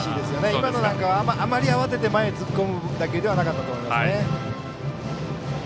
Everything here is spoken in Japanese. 今のなんかは、あまり慌てて前に突っ込む打球ではなかったと思いますね。